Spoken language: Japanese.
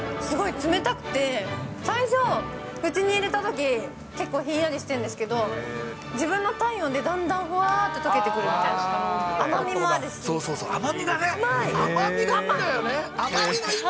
すごい冷たくて、最初、口に入れたとき、結構ひんやりしてるんですけど、自分の体温でだんだんほわーって溶けてくるみたいな。